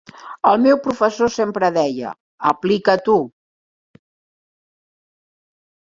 El meu professor sempre deia "aplica-t'ho!".